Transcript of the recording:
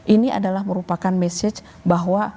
ini adalah merupakan message bahwa